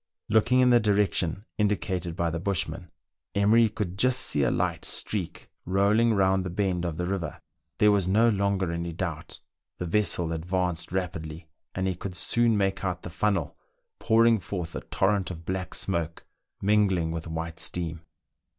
Looking in the direction indicated by the bushman, Emery could just see a light streak rolling round the bend of the river : there was no longer any doubt. The vessel advanced rapidly, and he could soon make out the funnel pouring forth a torrent of black smoke mingling with white steam.